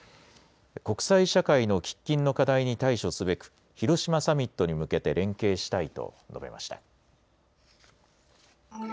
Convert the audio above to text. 国際社会の喫緊の課題に対処すべく広島サミットに向けて連携したいと述べました。